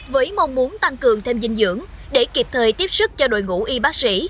với mong muốn tăng cường thêm dinh dưỡng để kịp thời tiếp sức cho đội ngũ y bác sĩ